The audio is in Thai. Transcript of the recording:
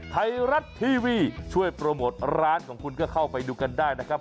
ไทยรัฐทีวีช่วยโปรโมทร้านของคุณก็เข้าไปดูกันได้นะครับ